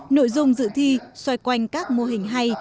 nội dung dự thi xoay quanh các mô hình hay